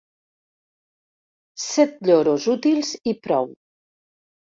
Set lloros útils i prou.